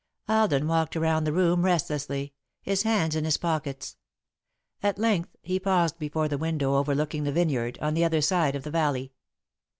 Alden walked around the room restlessly, his hands in his pockets. At length he paused before the window overlooking the vineyard, on the other side of the valley.